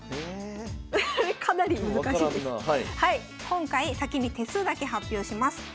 今回先に手数だけ発表します。